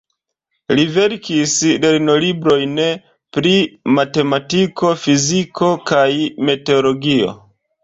Li verkis lernolibrojn pri matematiko, fiziko kaj meteologio.